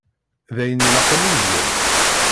D ayen ilaqen i gan.